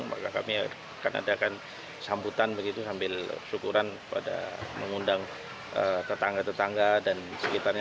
maka kami akan adakan sambutan begitu sambil syukuran pada mengundang tetangga tetangga dan sekitarnya